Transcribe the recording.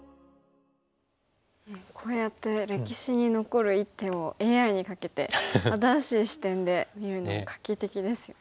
こうやって歴史に残る一手をＡＩにかけて新しい視点で見るのも画期的ですよね。